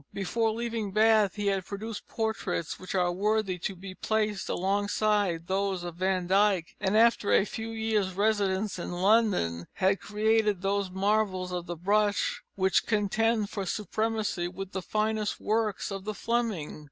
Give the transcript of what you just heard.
Before leaving Bath he had produced portraits which are worthy to be placed alongside those of Van Dyck, and after a few years' residence in London had created those marvels of the brush which contend for supremacy with the finest works of the Fleming.